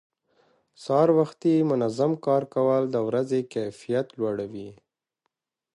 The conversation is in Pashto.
سهار وختي منظم کار کول د ورځې کیفیت لوړوي